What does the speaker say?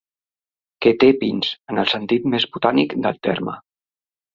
Que té pins, en el sentit més botànic del terme.